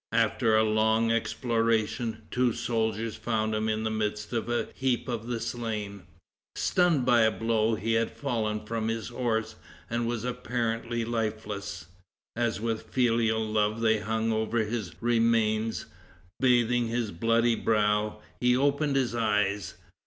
After a long exploration, two soldiers found him in the midst of a heap of the slain. Stunned by a blow, he had fallen from his horse, and was apparently lifeless. As with filial love they hung over his remains, bathing his bloody brow, he opened his eyes.